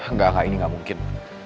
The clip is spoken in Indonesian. nggak kak ini gak mungkin